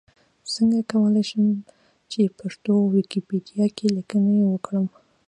څنګه کولی شم چې پښتو ويکيپېډيا کې ليکنې وکړم؟